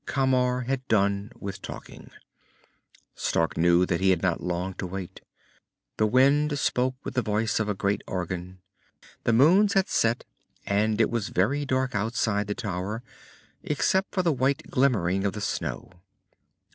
Camar had done with talking. Stark knew that he had not long to wait. The wind spoke with the voice of a great organ. The moons had set and it was very dark outside the tower, except for the white glimmering of the snow.